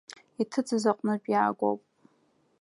Иҭыҵыз аҟнытә иаагоуп.